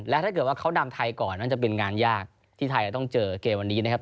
และถ้าเกิดว่าเขานำไทยก่อนน่าจะเป็นงานยากที่ไทยจะต้องเจอเกมวันนี้นะครับ